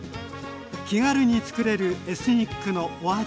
気軽に作れるエスニックのお味